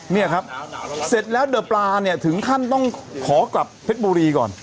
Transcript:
เนี่ยครับเสร็จแล้วเดอะปลาเนี่ยถึงขั้นต้องขอกลับเพชรบุรีก่อน